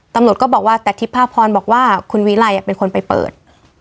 ตำรวจก็บอกว่าแต่ทิพภาพรบอกว่าคุณวิไลเป็นคนไปเปิด